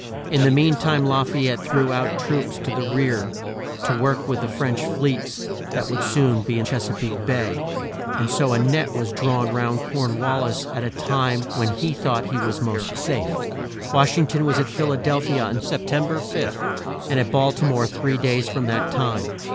In the mean time La fay ette threw out troops to the rear, to work with the French fleets that would soon be in Ches a peake Bay, and so a net was drawn round Corn wal lis at a time when he thought he was most safe. Wash ing ton was at Phil a del phi a on Sep tem ber 5, and at Bal ti more three days from that time.